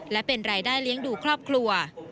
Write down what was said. และเป็นรายได้เลี้ยงดูครอบครัว